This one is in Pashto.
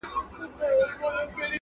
ځانته پخپله اوس زنځیر او زولنې لټوم،